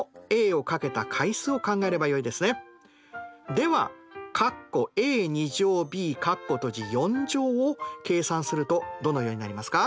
ではを計算するとどのようになりますか？